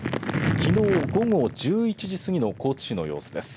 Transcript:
きのう午後１１時すぎの高知市の様子です。